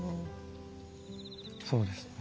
そうですね。